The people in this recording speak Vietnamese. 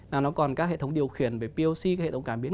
nào nó còn các hệ thống điều khiển về poc hệ thống cảm biến